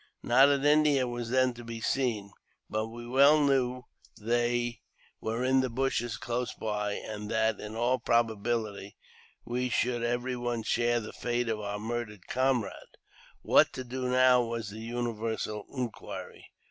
Not an Indian was then to be seen, but we well knew they were in the bushes close by, and that, in all probability, we should every one share the fate of our murdered comrade. What to do now was the universal inquiry.